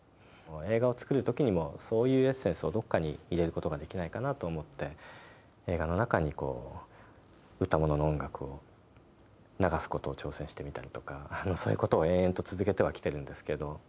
映画を作る時にもそういうエッセンスをどこかに入れることができないかなと思って映画の中に歌ものの音楽を流すことを挑戦してみたりとかそういうことを延々と続けてはきてるんですけど。